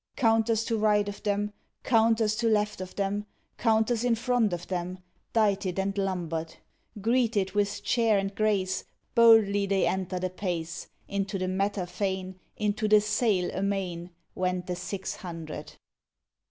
Counters to right of them, Counters to left of them. Counters in front of them, Dighted and lumbered ; Greeted with chair and grace Boldly they entered apace. Into the matter fain. Into the " Sale " amain Went the six hundred.